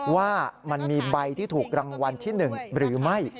ว่ามันมีใบที่ถูกรางวัลที่๑หรือไม่